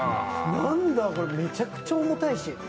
何だ、これ、めちゃくちゃ重たいし。